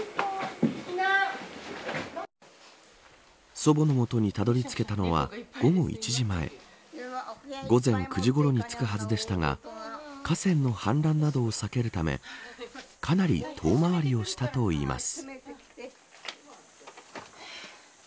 祖母の元にたどり着けたのは午後１時前午前９時ころに着くはずでしたが河川の氾濫などを避けるためかなり遠回りをしたといいます。